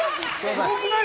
すごくない？